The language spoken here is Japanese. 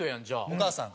お母さんが？